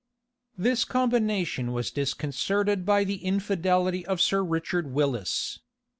This combination was disconcerted by the infidelity of Sir Richard Willis.